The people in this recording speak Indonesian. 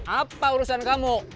apa urusan kamu